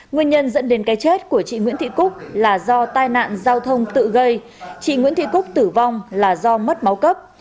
nguyên nhân dẫn đến cái chết của chị nguyễn thị cúc là do tai nạn giao thông tự gây chị nguyễn thị cúc tử vong là do mất máu cấp